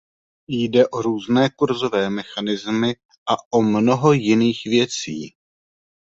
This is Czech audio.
Jde o různé kurzové mechanismy a o mnoho jiných věcí.